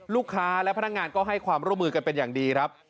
ลูกค้าและพนักงานก็ให้ความร่วมมือกันเป็นอย่างดีครับ